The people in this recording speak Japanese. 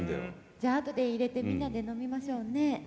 じゃああとでいれてみんなで飲みましょうね。